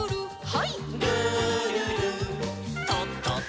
はい。